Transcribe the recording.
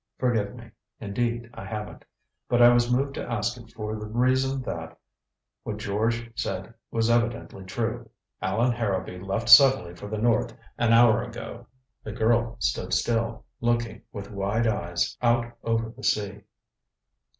"Forgive me. Indeed I haven't. But I was moved to ask it for the reason that what George said was evidently true. Allan Harrowby left suddenly for the north an hour ago." The girl stood still, looking with wide eyes out over the sea.